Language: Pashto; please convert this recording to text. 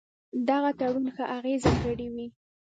دغه تړون ښه اغېزه کړې وي.